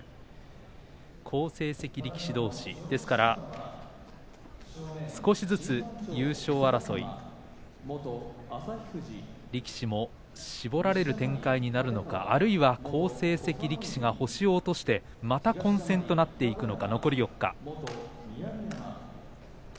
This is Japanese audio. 好成績力士どうしですから少しずつ優勝争い力士も絞られる展開になるのかあるいは、好成績力士が星を落として、また混戦となっていくのか残り４日。